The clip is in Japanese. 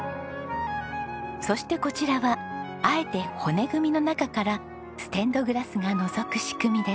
そしてこちらはあえて骨組みの中からステンドグラスがのぞく仕組みです。